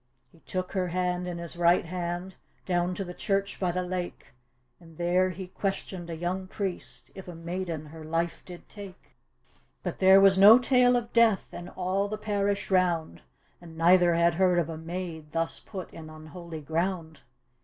He took her hand in his ri^t hand, Down to the church by the lake. And there he questioned a young priest, If a maiden her life did take. D,gt,, erihyGOOgle Tke Haunted Hour But there was no tale of death In all the parish round, And neither had heard of a maid Thus put in unholy ground.